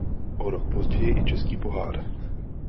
O rok později i český pohár.